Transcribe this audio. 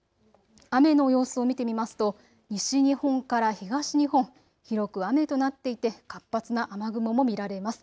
雨の様子を見てみますと西日本から東日本、広く雨となっていて活発な雨雲も見られます。